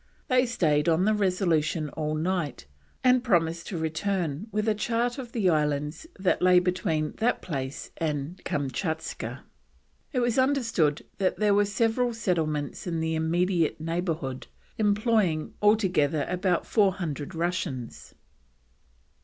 They stayed on the Resolution all night, and promised to return with a chart of the islands that lay between that place and Kamtschatka. It was understood that there were several settlements in the immediate neighbourhood employing altogether about four hundred Russians.